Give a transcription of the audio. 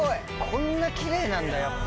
こんなきれいなんだ、やっぱ。